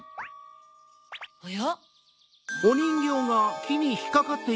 おや？